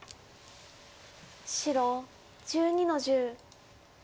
白１２の十。